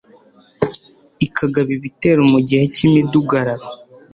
ikagaba ibitero mu gihe cy'imidugararo ;